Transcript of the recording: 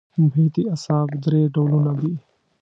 محیطي اعصاب درې ډوله دي.